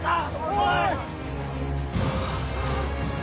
おい！